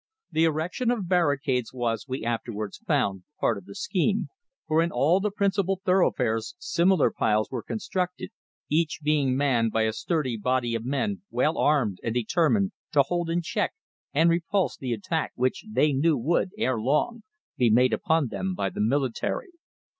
The erection of barricades was, we afterwards found, part of the scheme, for in all the principal thoroughfares similar piles were constructed, each being manned by a sturdy body of men, well armed and determined to hold in check and repulse the attack which they knew would, ere long, be made upon them by the military.